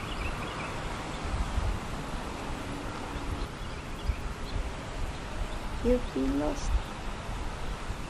Operations of the McChord Air Museum are located in three separate areas.